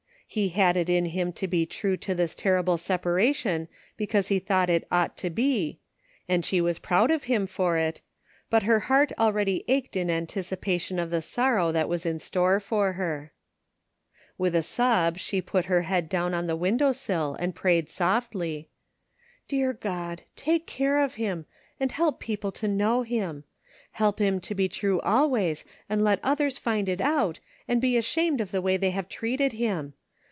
He had it in him to be true to this terrible separation because he thought it ought to be, and she was proud of him for it, but her heart already ached in antidpation of the sorrow that was in store for her. 204 THE FINDING OF JASPER HOLT With a sob she put her head down on the window sill and prayed softly :" Dear God, take care of him, and help people to know him. Help him to be true always and let others find it otut and be ashamed of the way they have treated him.